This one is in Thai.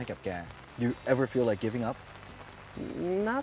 คุณต้องเป็นผู้งาน